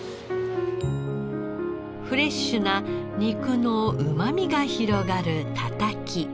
フレッシュな肉のうまみが広がるタタキ。